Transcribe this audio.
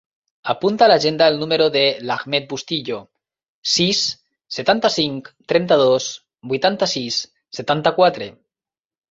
Apunta a l'agenda el número de l'Ahmed Bustillo: sis, setanta-cinc, trenta-dos, vuitanta-sis, setanta-quatre.